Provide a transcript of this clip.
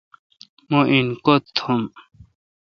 مہ ان کوتھ تھم۔